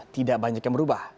tidak banyak yang berubah